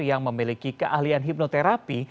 yang memiliki keahlian hipnoterapi